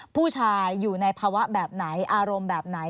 ผู้ชายอยู่ในภาวะแบบไหนอารมณ์แบบไหน